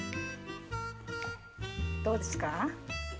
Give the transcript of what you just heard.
どうですか？